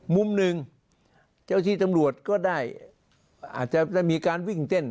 มุมหนึ่งเจ้าที่ตำรวจก็ได้อาจจะได้มีการวิ่งเต้น